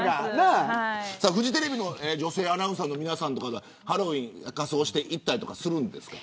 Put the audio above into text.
フジテレビの女性アナウンサーの皆さんとかはハロウィーンの仮装して行ったりするんですか。